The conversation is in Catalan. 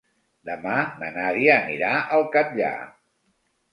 Demà na Nàdia anirà al Catllar.